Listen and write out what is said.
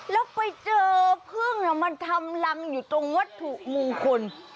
แล้วไปเจอพึ่งมันทำรังอยู่ตรงวัตถุมงคล